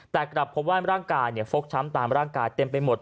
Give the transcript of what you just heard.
แต่กลับพบว่าร่างกายฟกช้ำตามร่างกายเต็มไปหมด